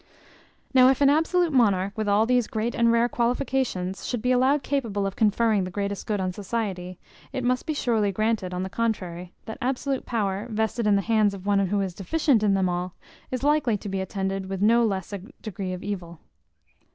Now if an absolute monarch, with all these great and rare qualifications, should be allowed capable of conferring the greatest good on society; it must be surely granted, on the contrary, that absolute power, vested in the hands of one who is deficient in them all, is likely to be attended with no less a degree of evil.